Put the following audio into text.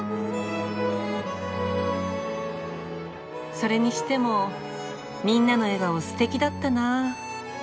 それにしてもみんなの笑顔ステキだったなあ。